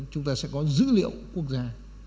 chúng ta sẽ có dữ liệu quốc gia